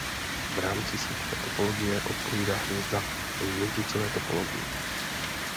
V rámci síťové topologie odpovídá hvězda hvězdicové topologii.